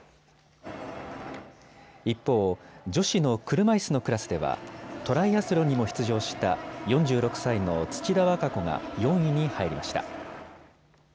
一方、女子の車いすのクラスではトライアスロンにも出場した４６歳の土田和歌子が４位に入りました。